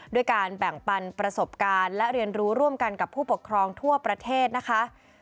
ด้วยการแบ่งปันประสบการณ์และเรียนรู้ร่วมกันกับผู้ปกครองทั่วประเทศนะคะ